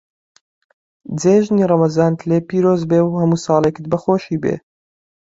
جێژنی ڕەمەزانت لێ پیرۆز بێ و هەموو ساڵێکت بە خۆشی بێ.